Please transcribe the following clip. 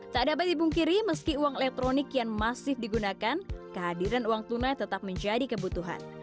tak dapat dibungkiri meski uang elektronik yang masif digunakan kehadiran uang tunai tetap menjadi kebutuhan